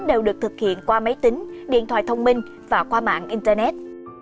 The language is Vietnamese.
đều được thực hiện qua máy tính điện thoại thông minh và qua mạng internet